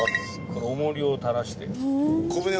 おもりを垂らして。